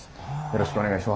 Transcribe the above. よろしくお願いします。